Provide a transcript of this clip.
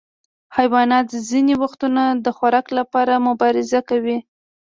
حیوانات ځینې وختونه د خوراک لپاره مبارزه کوي.